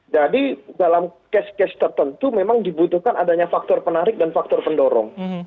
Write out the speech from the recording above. jadi dalam case case tertentu memang dibutuhkan adanya faktor penarik dan faktor pendorong